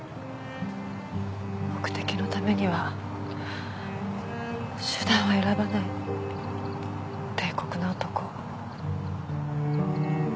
目的のためには手段を選ばない冷酷な男。